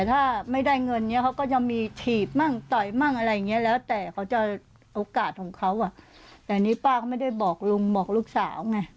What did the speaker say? แต่อันนี้ป้าเขาไม่ได้บอกลุงบอกลูกสาวไง